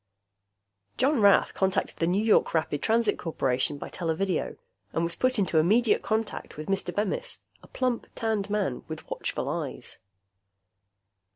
John Rath contacted the New York Rapid Transit Corporation by televideo and was put into immediate contact with Mr. Bemis, a plump, tanned man with watchful eyes.